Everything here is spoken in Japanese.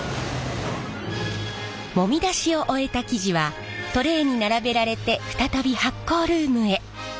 もみ出しを終えた生地はトレーに並べられて再び発酵ルームへ。